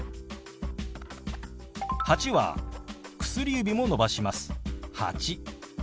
「８」は薬指も伸ばします。